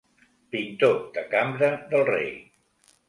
Pintor de cambra del rei.